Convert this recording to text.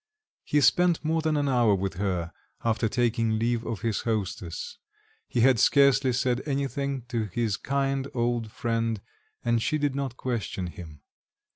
He spent more than an hour with her, after taking leave of his hostess; he had scarcely said anything to his kind old friend, and she did not question him....